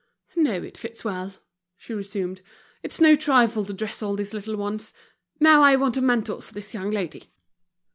"No, it fits well," she resumed. "It's no trifle to dress all these little ones. Now I want a mantle for this young lady."